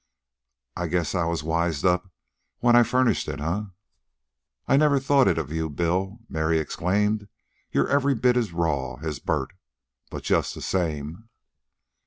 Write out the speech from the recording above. I guess I was wised up when I furnished it, eh?" "I never thought it of you, Billy!" Mary exclaimed. "You're every bit as raw as Bert. But just the same..."